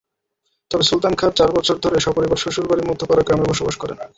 তবে সুলতান খাঁ চার বছর ধরে সপরিবার শ্বশুরবাড়ি মধ্যপাড়া গ্রামে বসবাস করেন।